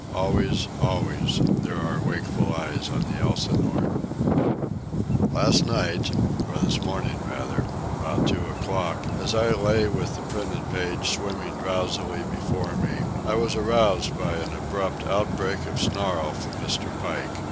Always, always, there are wakeful eyes on the Elsinore. Last night, or this morning, rather, about two o'clock, as I lay with the printed page swimming drowsily before me, I was aroused by an abrupt outbreak of snarl from Mr. Pike.